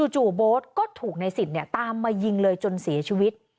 จู่โบสถ์ก็ถูกในศิษย์เนี่ยตามมายิงเลยจนสีชีวิต